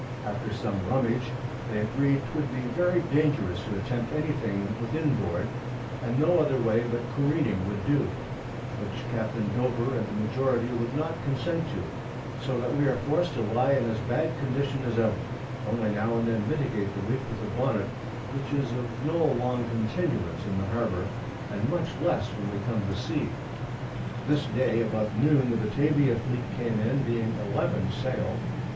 After some Rummage, they agreed 'twould be very dangerous to attempt any thing within board, and no other way but Careening would do, which Capt. Dover and the Majority would not consent to; so that we are forc'd to lie in as bad a condition as ever, only now and then mitigate the Leak with a Bonnet, which is of no long continuance in the Harbour, much less when we come to Sea. This Day about Noon the Batavia Fleet came in, being 11 Sail.